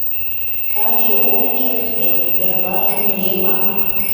Таче ом керт гын, эрлаже миемак.